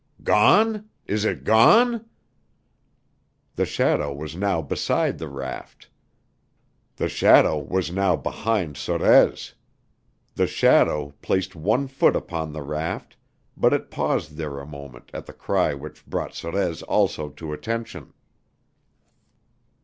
"Gone? Is it gone?" The shadow was now beside the raft. The shadow was now behind Sorez. The shadow placed one foot upon the raft, but it paused there a moment at the cry which brought Sorez also to attention.